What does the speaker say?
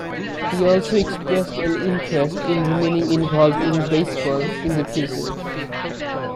He also expressed an interest in remaining involved in baseball in the future.